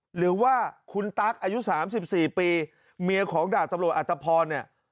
หรือว่าคุณตั๊กอายุ๓๔ปีเมียของดาบตำรวจอัตภพรเนี่ย